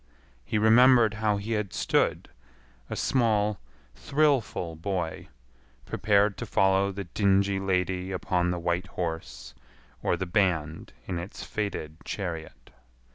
He remembered how he had stood, a small, thrillful boy, prepared to follow the dingy lady upon the white horse, or the band in its faded chariot.